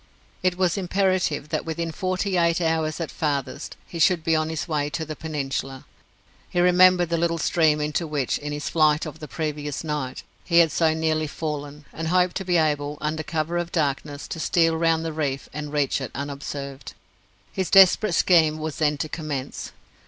It was imperative that within forty eight hours at farthest he should be on his way to the peninsula. He remembered the little stream into which in his flight of the previous night he had so nearly fallen, and hoped to be able, under cover of the darkness, to steal round the reef and reach it unobserved. His desperate scheme was then to commence.